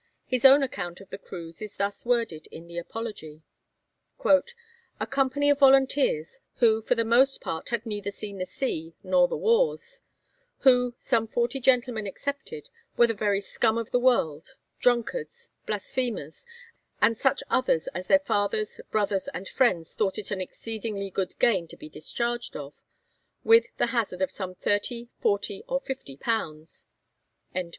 His own account of the crews is thus worded in the Apology: 'A company of volunteers who for the most part had neither seen the sea nor the wars; who, some forty gentlemen excepted, were the very scum of the world, drunkards, blasphemers, and such others as their fathers, brothers, and friends thought it an exceeding good gain to be discharged of, with the hazard of some thirty, forty, or fifty pound.'